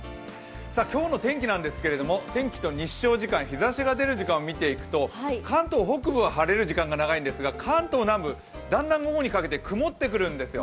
今日の天気なんですけれども天気と日照時間、日ざしが出る時間を見ていくと、関東北部は晴れる時間、長いんですが関東南部、だんだん午後にかけて曇ってくるんですよ。